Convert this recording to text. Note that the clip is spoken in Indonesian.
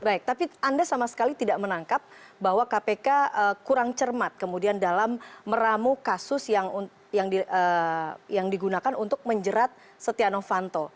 baik tapi anda sama sekali tidak menangkap bahwa kpk kurang cermat kemudian dalam meramu kasus yang digunakan untuk menjerat setia novanto